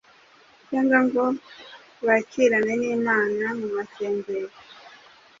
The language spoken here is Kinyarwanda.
cyangwa ngo bakirane n’Imana mu masengesho